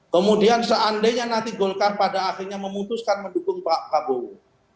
kemudian seandainya nanti golkar pada akhirnya memutuskan mendukung pak prabowo